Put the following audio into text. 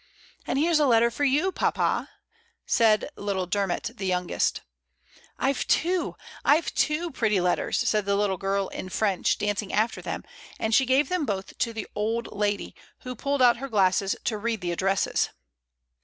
"And here's a letter for you, papa," said little Dermot the yoimgest "Fve two, Tve two pretty letters," said the little girl, in French, dancing after them, and she gave them both to the old lady, who pulled out her glasses to read the addresses.